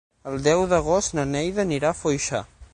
El deu d'agost na Neida anirà a Foixà.